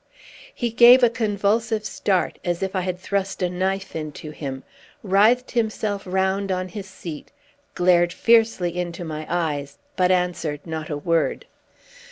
He gave a convulsive start, as if I had thrust a knife into him, writhed himself round on his seat, glared fiercely into my eyes, but answered not a word.